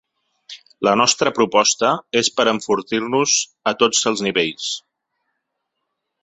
La nostra proposta és per enfortir-nos a tots els nivells.